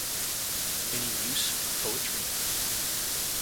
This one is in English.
Any use for poetry?